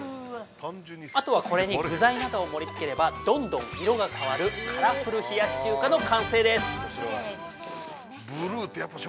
◆あとは、これに具材などを盛りつければどんどん色が変わるカラフル冷やし中華の完成です！